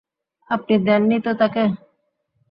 আপনি দেননি তো তাকে?